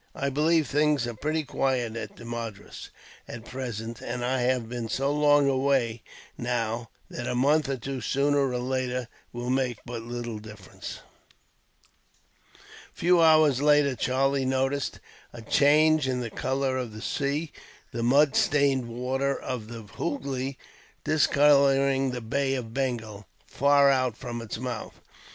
I believe things are pretty quiet at Madras, at present; and I have been so long away, now, that a month or two sooner or later will make but little difference." A few hours later, Charlie noticed a change in the colour of the sea, the mud stained waters of the Hoogly discolouring the Bay of Bengal, far out from its mouth.